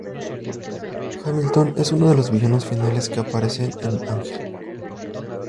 Hamilton es uno de los villanos finales que aparecen en "Ángel".